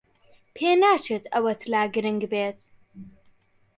پێناچێت ئەوەت لا گرنگ بێت.